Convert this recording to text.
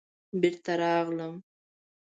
بېرته راغلم.